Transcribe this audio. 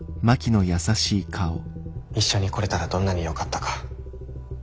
一緒に来れたらどんなによかったか。